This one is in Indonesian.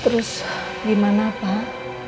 terus gimana pak